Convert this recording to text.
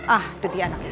ah itu dia anaknya